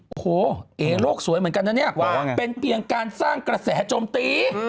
โอ้โหเอ๋โลกสวยเหมือนกันนะเนี่ยเป็นเพียงการสร้างกระแสโจมตี